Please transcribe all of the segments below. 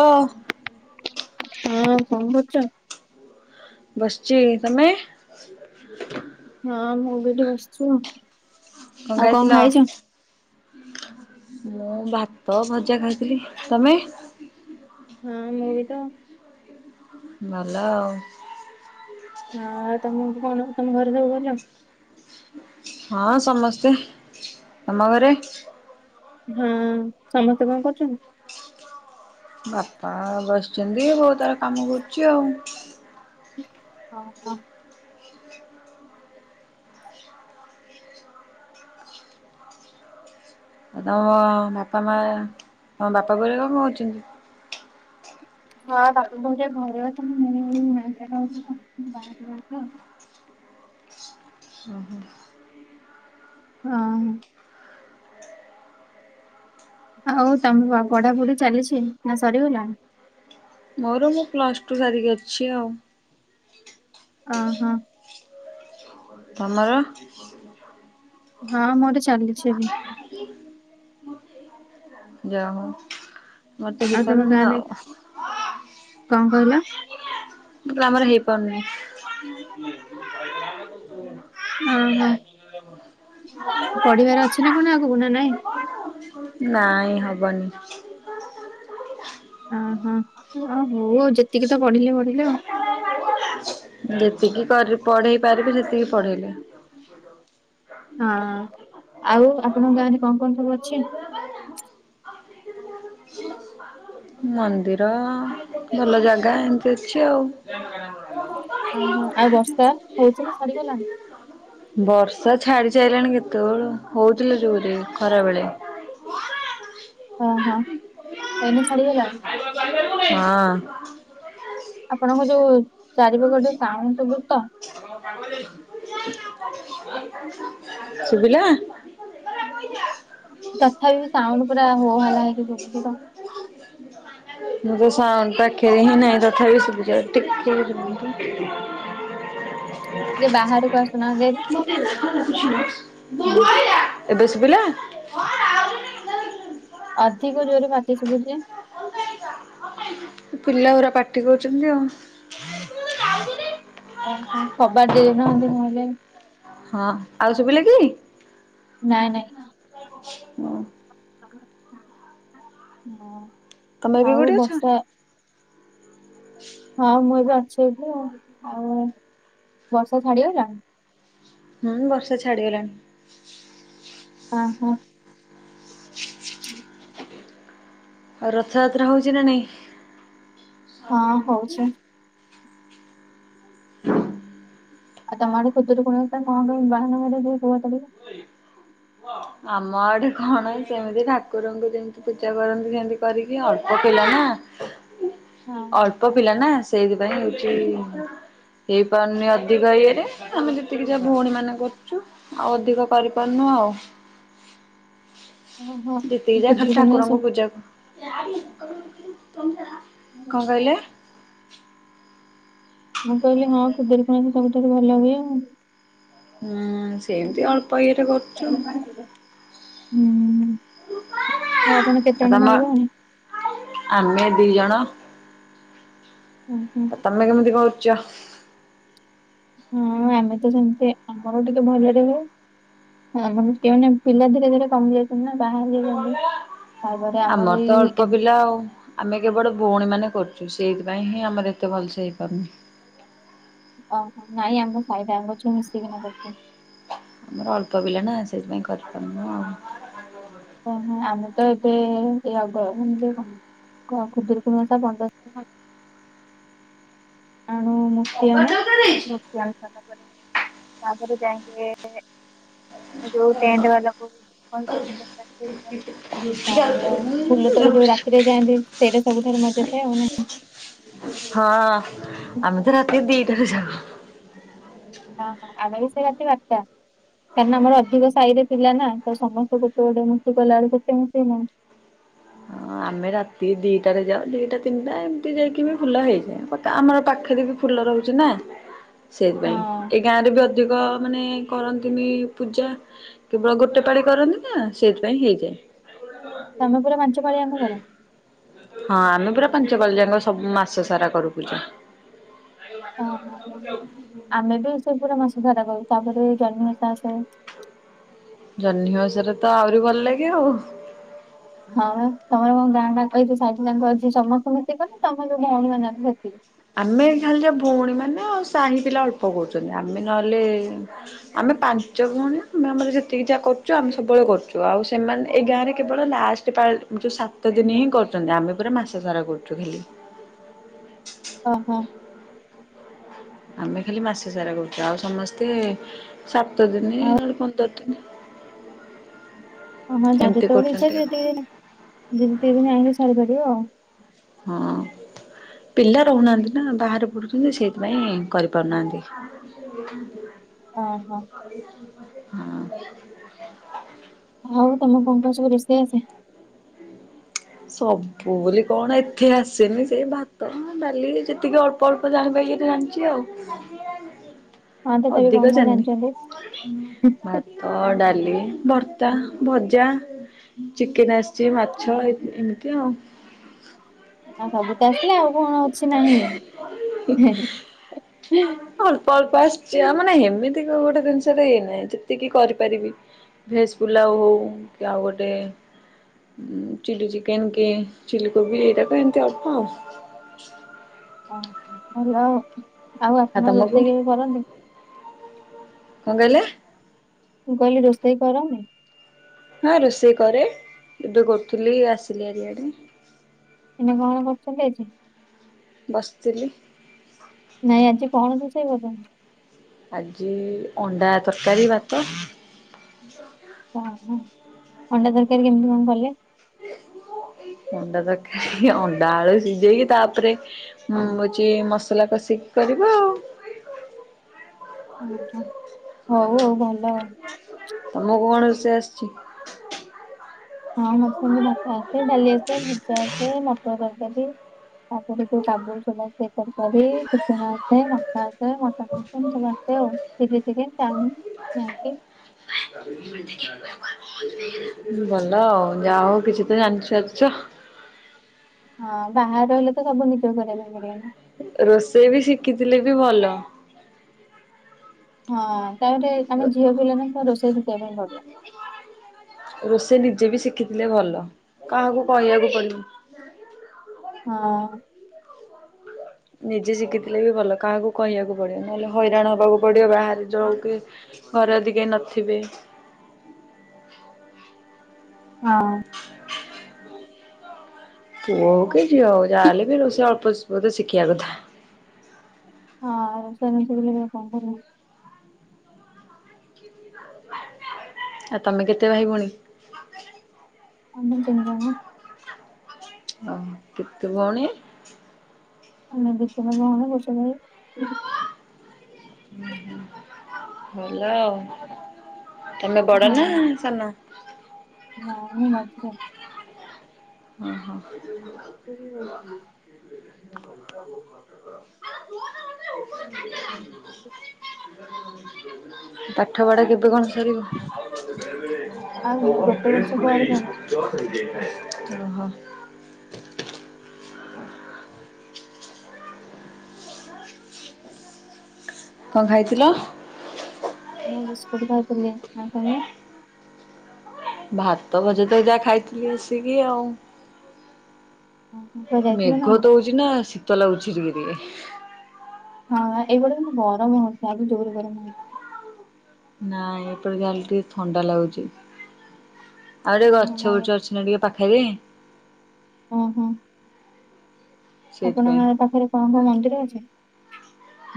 ଓ ହଁ କଣ କରୁଚ? ବସ୍ଚି ତମେ? ହଁ ମୁଁ ବି ଏଇଠି ବସ୍ଚି ଆଉ। କଣ ଆଉ ଖାଇଥିଲ? ଖାଇଛ? ମୁଁ ଭାତ ଭଜା ଖାଇଥିଲି, ତମେ? ହଁ ମୁଁ ବି ତ ଭଲ ଆଉ। ହଁ ତମକୁ କଣ ତମ ଘରେ ସବୁ ଭଲ? ହଁ ସମସ୍ତେ, ତମ ଘରେ? ହଁ ସମସ୍ତେ କଣ କରୁଚନ୍ତି? ବାପା ବସିଚନ୍ତି ବୋଉ ତାର କାମ କରୁଚି ଆଉ। ଅ ହଁ। ଆଉ ତମ ବାପା ମା ହଁ ତମ ବାପା [unintelligible] କଣ କରୁଚନ୍ତି? ହଁ ବାପା ମା [unintelligible] ଘରେ ଅଛନ୍ତି [unintelligible] ତ ଓହୋ। ହଁ। ଆଉ ତମ ପଢାପଢି ଚାଲିଛି ନା ସରିଗଲାଣି? ମୋର ମୁଁ ପ୍ଲସ ଟୁ ସାରିକି ଅଛି ଆଉ। ଅ ହଁ। ତମର? ହଁ ମୋର ଚାଲିଛି ଏବେ। [inaudible] ଯା ହଉ। ମୋର ତ ଆଉ ତମ ହେଇପାରୁନି ଗାଁରେ ଆଉ କଣ କହିଲ? ମୁଁ କହିଲି ଆମର ହେଇପାରୁନି। ଓହୋ, ପଢିବାର ଅଛି ନା କଣ ଆଗକୁ ନା ନାଇଁ? ନାଇଁ ହବନି। [inaudible] ଓହୋ ହଁ ହଉ ଯେତିକି ତ ପଢ଼ିଲି-ପଢ଼ିଲି ଆଉ। ଯେତିକି କରି ପଢେଇ ପାରିବି ସେତିକି ପଢେଇଲେ। ହଁ ଆଉ ଆପଣଙ୍କ ଗାଁ ରେ କଣ-କଣ ସବୁ ଅଛି? ମନ୍ଦିର ଭଲ ଯାଗା ଏମ୍ତି ଅଛି ଆଉ। ଓହୋ, ଆଉ ବର୍ଷା ହଉଚି ନା ଛାଡିଗଲାଣି? ବର୍ଷା ଛାଡି ସାଇଲାଣି କେତେବେଳୁ, ହଉଥିଲା ଯୋରେ ଖରାବେଳେ। ଓହୋ, ଏଇନା ଛାଡିଗଲାଣି? ହଁ ଆପଣଙ୍କ ଯୋଉ ଚାରିପାଖ ଟିକେ ସାଉଣ୍ଡ ଶୁଭୁଚି ତ ଶୁଭିଲା ତଥାପି ସାଉଣ୍ଡ ପୁରା ହୋ ହାଲା ହେଇକି ଶୁଭୂଚି ତ [unintelligible] [inaudible] ଟିକେ ବାହାରକୁ ଆସୁନାହାନ୍ତି ହାରି। ଏବେ ଶୁଭିଲା ଅଧିକ ଜୋରେ ପାଟି ଶୁଭୁଛି ପିଲା ଗୁରା ପାଟି କରୁଛନ୍ତି ଆଉ ଓହୋ କବାଟ ଦେଉନାହାନ୍ତି ନହେଲେ ହଁ ଆଉ ଶୁଭିଲା କି ନାଇଁ ନାଇଁ ହୁଁ [inaudible] ତମେ ବି ଆଉ କୋଠୀ ଅଛ ବର୍ଷା ହଁ ମୁଁ ଏବେ ଅଛି ଏଇଠେ ଆଉ ବର୍ଷା ଛାଡିଗଲା ହୁଁ ବର୍ଷା ଛାଡିଗଲାଣି ହଁ ହଁ ଆଉ ରଥଯାତ୍ରା ହଉଛି ନା ନାଇଁ ହଁ ହଉଛି [inaudible] [unintelligible] ଆମ ଆଡେ କଣ ସେମିତି ଠାକୁରଙ୍କୁ ଯେମତି ପୂଜା କରନ୍ତି ସେମିତି କରିକି ଏ ଅଳ୍ପ ପିଲା ନା [inaudible] ଅଳ୍ପ ପିଲା ନା ସେଇଥିପାଇଁ ହଉଚି ହେଇପାରୁନି ଅଧିକ ଇଏରେ ଆମେ ଯେତିକି ଯାହା ଭଉଣୀ ମାନେ କରୁଛୁ ଆଉ ଅଧିକ କରିପାରୁନୁ ଆଉ ଓହୋ ଯେତିକି ଯା ଖାଲି ଖୁଦୁରୁକୁଣୀ ଓଷା ଠାକୁରଙ୍କ ପୂଜାକୁ କଣ କହିଲେ ମୁଁ କହିଲି ହଁ ଖୁଦୁରୁକୁଣି ସବୁଠାରୁ ଭଲ ହୁଏ ଆଉ ହୁଁ ସେମିତି ଅଳପ ଏଇରେ କରଚୁ ହୁଁ ଆଉ ଆପଣ କେତେ ଆଉ ଜଣ ତମ ଭାଇଭଉଣୀ। ଆମେ ଦି ଜଣ। ହୁଁ ଆଉ ହୁଁଁ। ତମେ କେମିତି କରୁଛ। ହଁ ଆମେ ତ ସେମତି ଆମର ଟିକେ ଭଲରେ ହଉ। ହଁ ମାନୋନ ପିଲା ଧୀରେ ଧୀରେ କମି ଯାଉଛନ୍ତି ନା ବାହାରି ଯାଇଛନ୍ତି। ଆମର ତ ଅଳ୍ପ ପିଲା ଆଉ। ଆମେ କେବଳ ଭଉଣୀମାନୋନ କରୁଛୁ ସେଇଥିପାଇଁ ହିଁ ଆମର ଏତେ ଭଲସେ ହେଇପାରୁନି। ଓହୋ ନାଇଁ ଆମର ସାଇଟା ଆମ ଅଛୁ ମିଶିକିନା କରୁଛୁ। ଆମର ଅଳ୍ପ ପିଲା ନା ସେଇଥିପାଇଁ କରିପାରୁିନୁ ଆଉ। ଓଁ ଆମେ ତ ଏବେଗ [inaudible] ଖୁଦିରୁକୁଣୀ ଓଷା। ଆଣୁ ମୂର୍ତ୍ତି ଆଣୁ ମୂର୍ତ୍ତି ଆଣିୁ ସାରିଲା ପରେ ତାପରେ ଯାଇକି ଯୋଉ ଟଣ୍ଟେ ବାଲା [unintelligible] ତାପରେ ଫୁଲ ତୋଳେ ଯୋଉ ରାତିରେ ଯାଆନ୍ତି ସେଇଟା ସବୁଠାରୁ ମଜା ଥାଏ ଆଉ ନାଇଁ। ହଁ ଆମେ ତ ରାତି ଦିଟାରୁ ଯାଉ। ହଁ ହଁ ଆମେବି ସେ ରାତି ବାରଟା କାରଣ ଆମର ଅଧିକ ସାଇରେ। ଥିଲା ନା ତ ସମସ୍ତେ ଗୋଟେ ଗୋଟେ ମୃତ୍ତୀ କଲାବେଳେକୁ କେତେ ମୃତ୍ତୀ। ହଁ ଆମେ ରାତି ଦିଟାରେ ଯାଉ ଦିଟା ତିନିଟା ଏମିତି ଯାଇକି ବି ଫୁଲ ହେଇଯାଏ। ଆମର ପାଖରେ ବି ଫୁଲ ରହୁଛି ନା। [inaudible] ହଁ ସେଇଥିପାଇଁ ଏ ଗାଁରେ ବି ଅଧିକ ମାନେ କରନ୍ତିନି ପୂଜା। କେବଳ ଗୋଟେ ପାଳି କରନ୍ତି ନା, ସେଇଥିପାଇଁ ହେଇଯାଏ। ତମେ ପୁରା ପାଳିଆଙ୍କ କର ହଁ ଆମେ ପୁରା ପାଞ୍ଚ ପାଳି ଯାକ ସବୁ ମାସ ସାରା କରୁ ପୂଜା। ଓହୋ, ଆମେ ବି ସେ ପୁରା ମାସ ସାରା କରୁ, ତାପରେ ଜହ୍ନି ମାସ ଆ‍ସେ। ‌‌‍‌ ଜହ୍ନିିଓସାରେ ତ ଆହୁରି ଭଲ ଲାଗେ ଆଉ। ହଁ ପା ତମର ମୋ ଗାଁ ଅଛି ସା ତାଙ୍କ ଅଛି ସମସ୍ତେ ମିତି କ ତମର ଯୋ ଭଉଣି ମାନଙ୍କ ସେତିକି। ଆମେ ଖାଲିଛ ଭଉଣୀ ମାନେ ଆଉ ସାହି ପିଲା ଅଳ୍ପ କରୁଛନ୍ତି ଆମେ ନହେଲେ ଆମେ ପାଞ୍ଚ ଭଉଣୀ ଆମେ ଆମ ଯେତିକି ଯାହା କରୁଛୁ ଆମେ ସବୁବେଳେ କରୁଛୁ ଆଉ ସେମାନେ ଏଇ ଗାଁରେ କେବଳ ଲାଷ୍ଟ। ଳ ଯୋଉ ସାତ ଦିନ ହିଁ କରୁଛନ୍ତି, ଆମେ ପୁରା ମାସ ସାରା କରୁଛୁ ଖାଲି। ଓହୋ। ଆମେ ଖାଲି ମାସେ ସାରା କରୁଛୁ ଆଉ ସମସ୍ତେ ସାତ ଦିନ ନହେଲେ ପନ୍ଦରିଦିନ କରନ୍ତି। ି [unintelligible] ଦିନ ଆଣକି ସ ପାରିବ ଆଉ [unintelligible] ହଁ ପିଲା ରହୁନାହାଁନ୍ତି ନା ବାହାରେ ପଡ଼ୁଛନ୍ତି ସେଇଥିପାଇଁ କରିପାରୁନାହାନ୍ତି। ହ ହ [inaudible] ହଁ ହଁ। ହଁ ଅଁ। ହଉ ତମେ କଣ କଣ ସବୁ ରୋଷେଇ ଆସେ। ସବୁ ବୋଲି କଣ? ଏଥି ଆସେନି ସେଇ ଭାତ ଡାଲି ଯେତିକି ଅଳ୍ପ ଅଳ୍ପ ଜାଣି ପାଇଁ ଏତେ ଜାଣିଛି ଆଉ। ହଁ ତଥାପି ଅଧିକ କଣ କଣ ଜାଣିଛନ୍ତି? ତ ଡାଲି ଭର୍ତ୍ତା ଭଜା ଚିକେନ ଆସିଛି ମାଛ ଇ ଏମତି ଆଉ ଆ ସବୁ ତ ଆସିଲେ ଆଉ କଣ ଅଛି ନାହିଁ? ହିଁ ହିଁ ଅଳ୍ପ ଅଳ୍ପ ଆସିଛି ଆ ମାନେ ଏମିତି ଗୋଟେ ଜିନିଷଟା ହେଇନାହିଁ, ଯେତିକି କରିପାରିବି। ଭେସ ପୁଲାଉ ହଉ କି ଆଉ ଗୋଟେ ଚିଲ୍ଚିଚିକେନ କେ ଚିଲି କୋବିି [unintelligible] ଓ, ଭଲ ଆଉ, ଆଉ ଆପଣ ତମକୁ ରୋଷେଇ [unintelligible] କରନ୍ତି? କଣ କହିଲେ? ମୁଁ କହିଲି ରୋଷେଇ କରନି? ହଁ ରୋଷେଇ କରେ, ଏବେ କରୁଥିଲି ଆସିଲି ଆରିଆଡେ। ଏ କଣ କରୁଛନ୍ତି ଏ ଯେ ବସିଥିଲି। ନାଇଁ ଆଜି କଣ ରୋଷେଇ କରୁଛନ୍ତି? ଆଜି ଅଣ୍ଡା ତରକାରୀ, ଭାତ। [unintelligible] ଓ ହ ଅଣ୍ଡା ତରକାରୀ କେମିତି କଣ କଲେ? ଅଣ୍ଡା ତରକାରୀ ଅଣ୍ଡା ଆଳୁ ସିଝେଇକି, ତାପରେ ମୁଁ ହଉଛି ମସଲା କଷିକି କରିବ ଆଉ। ହ ହ ହଉ ହଉ ଭଲ। ତମକୁ କଣ ରୋଷେଇ ଆସିଛି? ହଁ ମତେ ସେମିତି ଭାତ ଆସେ, ଡାଲି ଆସେ ଭଜା ଆସେ, ମଟର ତରକାରୀ। ତାପରେ ତ କାବୁଲି ଛୋଳା ତରକାରୀ, ଚିକେନ୍ ଆସେ, ହେଲା। ତାପରେ ତ ମଟନ୍ ଫଟନ୍ ସବୁ ଆସେ, ଆଉ ଚିଲି ଚିକେନ୍, ଚାଉମିନ୍ [inaudible] ଭଲ ଆଉ, ଯାହାହଉ [unintelligible] ହଁ ବାହାରେ ରେ ତ ସବୁ ନିଜ କରିବା ପାଇଁ ପଡ଼ିବ ନା। ରୋଷେଇ ବି ଶିଖିଥିଲେ ବି ଭଲ। ହଁ ତାପରେ ତୁମେ ଝିଅ ପିଲା ଯେହେତୁ ରୋଷେଇ ଶିଖିବା ପାଇଁ ପଡ଼ିବ। ରୋଷେଇ ନିଜେ ବି ଶିଖିଥିଲେ ଭଲ କାହାକୁ କହିବାକୁ ପଡିବନି। ହଁ। ନିଜେ ଶିଖିଥିଲେ ବି ଭଲ କାହାକୁ କହିବାକୁ ପଡିବ ନହେଲେ ହଇରାଣ ହବାକୁ ପଡ଼ିିବ ବାହାରେ ଯେଉଁ କି ଘରେ ଯଦି କେହି ନଥିବେ। ହଁ। [unintelligible] ପୁଅ ହଉ କି ଝିଅ ହଉ ଯାହା ହେଲେ ବି ରୋଷେଇ ଅଳ୍ପ ବ ଶିଖିବା କଥା। ଆଉ ରୋଷେଇ ବାସ ନ ଆସିଲେ କଣ କରିବୁ? ଆଉ ତମେ କେତେ ଭାଇ ଭଉଣୀ? ଆମେ ତିନି ଜଣ। ଓ କେତେ ଭଉଣୀ? ଆମେ ଦୁଇଟା ଭଉଣୀ, ଗୋଟେ ଭାଇ। ହୁଁ ହୁଁ ଭଲ ଆଉ। ତମେ ବଡ ହଁ ନା ସାନ? ନା ମୁଁ ମଝିଆ। ହଁ ହଁ। [inaudible] [inaudible] ପାଠପଢ଼ା କେବେ କଣ ସରିବ? ଆଉ ଗୋଟେ ବର୍ଷ ପରେ ଥରେ [inaudible] କଣ ଖାଇଥିଲ? ମୁଁ ବିସ୍କୁଟ ଖାଇଥିଲି ଆଉ ତୁମେ? ଭାତ ଭଜା ତ ଯାହା ଖାଇଥିଲି ଆସିକି ଆଉ। ହଁ, କୁଆଡେ ଯାଇଥିଲ ନା ମେଘ କଣ? ଟା ହଉଛି ନା ଶୀତ ଲାଗୁଛି ଟିକେ ଟିକେ। ହଁ ଏଇ ପଟେ କିନ୍ତୁ ଗରମ ହଉଥିଲା। ଏବେ ଜୋରେ ଗରମ ହେଉଛି। ନାଇଁ ଏପଟେ ଯାହା ହେଲେ ଟିକେ ଥଣ୍ଡା ଲାଗୁଛି। ଆଉ ଟିକେ ଓହୋ ଗଛ ନାଇଁ ଗୁଛ ଅଛି ନା ଟିକେ ପାଖରେ ଓହୋ ସେଇଥିପାଇଁ। ଆପଣଙ୍କ ପାଖରେ କଣ କଣ ମନ୍ଦିର ଅଛି?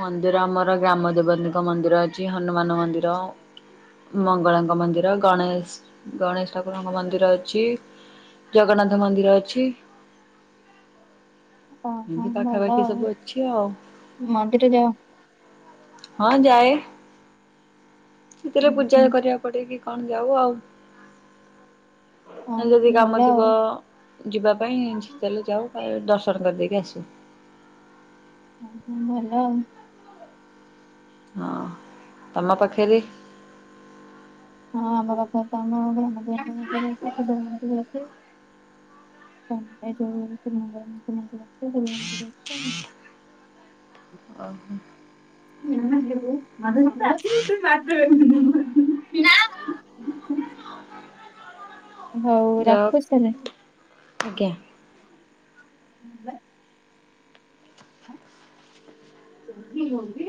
ମନ୍ଦିର ଆମର ଗ୍ରାମ ଦେବତୀଙ୍କ ମନ୍ଦିର ଅଛି ହନୁମାନ ମନ୍ଦିର ମଙ୍ଗଳାଙ୍କ ମନ୍ଦିର, ଗଣେଶ ଗଣେଶ ଠାକୁରଙ୍କ ମନ୍ଦିର ଅଛି। ଜଗନ୍ନାଥ ମନ୍ଦିର ଅଛି। ଓହୋ ଏମିତି ଭଲ ପାଖାପାଖି ଆଉ ସବୁ ଅଛି ଆଉ। ମନ୍ଦିର ଯାଅ। ହଁ ଯାଏ ସେଥିରେ ପୂଜା ଉହୁଁ କରିବାକୁ ପଡେ କି କଣ ଯାଉ ଆଉ ଯଦି ଓହୋ ଭଲ କାମ ଥିବ ଆଉ। ଯିବା ପାଇଁ ସେତେବେଳେ ଯାଉ ଦର୍ଶନ କରିଦେଇକି ଆସୁ ଓହୋ ଭଲ ଆଉ ହଁ ତମ ପାଖେରେ? ହଁ ଆମ ପାଖରେ ତ ଆମ [unintelligible] ଓହୋ [unintelligible] ନା ହଉ ଯାଅ ରଖୁଛି ତାହେଲେ। ଆଜ୍ଞା ହୁଁ ହଁ ହଁ